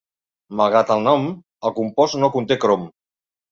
Malgrat el nom, el compost no conté crom